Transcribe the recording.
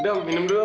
udah minum dulu om